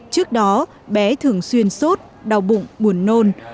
trước đó bé thường xuyên sốt đau bụng buồn nôn